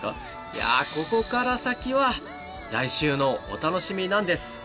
いやココから先は来週のお楽しみなんです。